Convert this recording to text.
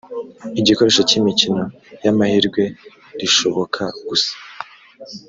igikoresho cy imikino y amahirwe rishoboka gusa